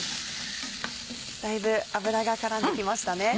だいぶ脂が絡んできましたね。